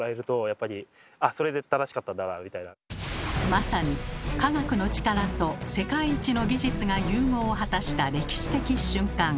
まさに「科学の力」と「世界一の技術」が融合を果たした歴史的瞬間。